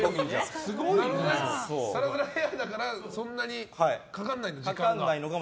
サラサラヘアだからそんなにかかんないのか。